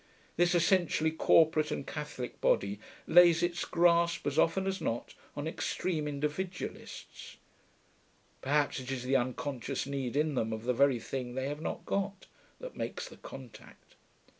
This essentially corporate and catholic body lays its grasp as often as not on extreme individualists. Perhaps it is the unconscious need in them of the very thing they have not got, that makes the contact.